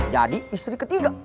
jadi istri ketiga